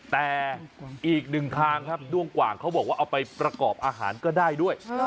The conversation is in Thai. แต่อีกหนึ่งทางครับด้วงกว่างเขาบอกว่าเอาไปประกอบอาหารก็ได้ด้วย